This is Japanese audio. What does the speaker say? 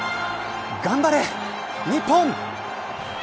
頑張れ日本。